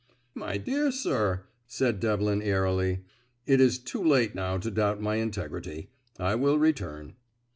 "My dear sir," said Devlin airily, "it is too late now to doubt my integrity. I will return."